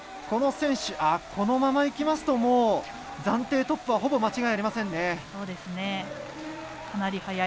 このままいきますと暫定トップはほぼ間違いありませんね。